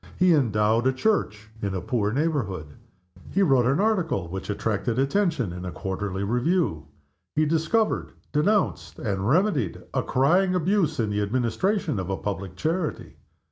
He endowed a church in a poor neighborhood. He wrote an article which attracted attention in a quarterly review. He discovered, denounced, and remedied a crying abuse in the administration of a public charity.